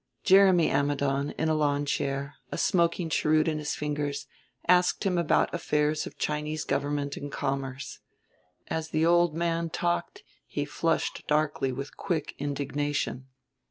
Jeremy Ammidon, in a lawn chair, a smoking cheroot in his fingers, asked him about affairs of Chinese government and commerce. As the old man talked he flushed darkly with quick indignation.